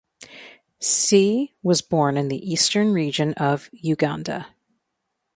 Se was born in the Eastern Region of Uganda.